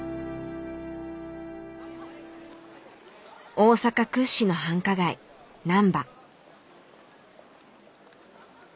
大阪屈指の繁華街難波。